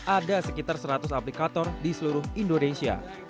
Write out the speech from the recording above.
ada sekitar seratus aplikator di seluruh indonesia